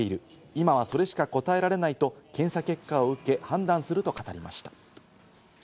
今はそれしか答えられないと検査結果を受け判断すると語りました。